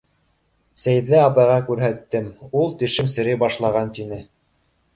Сәйҙә апайға күрһәттем, ул тешең серей башлаған, тине.